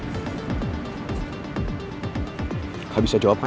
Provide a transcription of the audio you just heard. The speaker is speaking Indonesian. tidak ada yang bisa menjawabnya